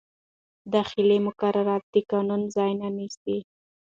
داخلي مقررات د قانون ځای نه نیسي.